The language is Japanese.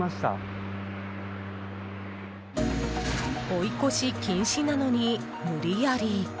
追い越し禁止なのに、無理やり。